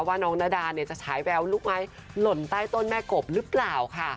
ว่าน้องนาดาเนี่ยจะฉายแววลูกไม้หล่นใต้ต้นแม่กบหรือเปล่าค่ะ